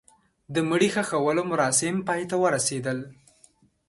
د مړي ښخولو مراسم پای ته ورسېدل.